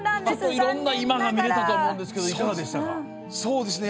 いろんな今が見えたと思うんですけど、いかがですか？